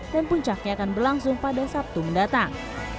dan puncaknya akan berlangsung pada sabtu mendatang